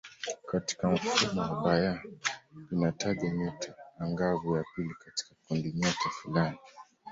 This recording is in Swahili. Katika mfumo wa Bayer inataja nyota angavu ya pili katika kundinyota fulani.